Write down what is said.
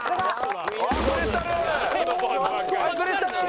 あっクリスタル！